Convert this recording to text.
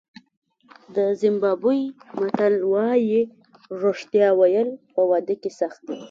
د زیمبابوې متل وایي رښتیا ویل په واده کې سخت دي.